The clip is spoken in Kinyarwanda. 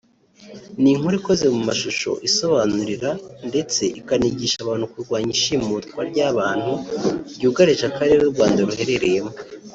ni inkuru ikoze mu mashusho isobanurira ndetse ikanigisha abantu kurwanya ishimutwa ry’abantu ryugarije Akarere u Rwanda ruherereyemo